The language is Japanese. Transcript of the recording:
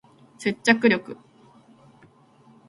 接着力